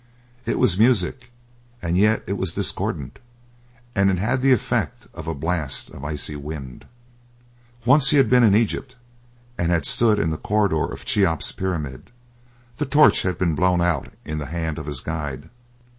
It was music, and yet it was discordant, and it had the effect of a blast of icy wind. Once he had been in Egypt and had stood in a corridor of Cheops' pyramid. The torch had been blown out in the hand of his guide.